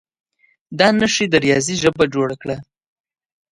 دا نښې د ریاضي ژبه جوړه کړه.